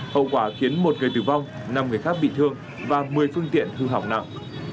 hậu quả khiến một người tử vong năm người khác bị thương và một mươi phương tiện hư hỏng nặng